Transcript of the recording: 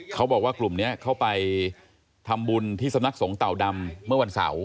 เขาบอกว่ากลุ่มนี้เขาไปทำบุญที่สำนักสงฆ์เต่าดำเมื่อวันเสาร์